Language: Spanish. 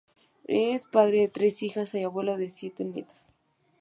Es padre de tres hijas y abuelo de siete nietos.